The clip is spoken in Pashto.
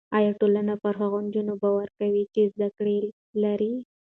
ایا ټولنه پر هغو نجونو باور کوي چې زده کړه لري؟